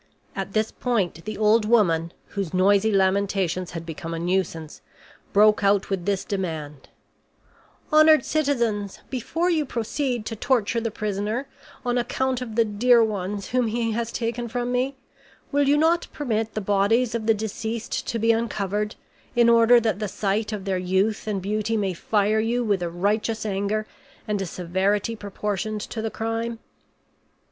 But at this point the old woman, whose noisy lamentations had become a nuisance, broke out with this demand: "Honored citizens, before you proceed to torture the prisoner, on account of the dear ones whom he has taken from me, will you not permit the bodies of the deceased to be uncovered in order that the sight of their youth and beauty may fire you with a righteous anger and a severity proportioned to the crime?"